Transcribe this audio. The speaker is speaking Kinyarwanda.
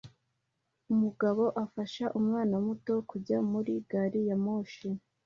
Umugabo afasha umwana muto kujya muri gari ya moshi